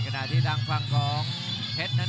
กรรมการเตือนทั้งคู่ครับ๖๖กิโลกรัม